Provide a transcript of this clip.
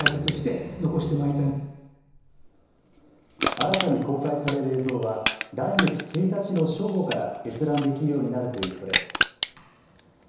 新たに公開される映像は来月１日の正午から閲覧できるようになるということです。